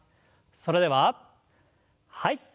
それでははい。